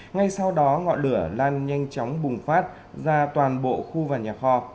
ngay sau đó ngọn lửa lan nhanh chóng bùng phát ra toàn bộ khu và nhà kho